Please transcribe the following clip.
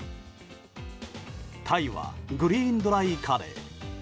タイはグリーンドライカレー。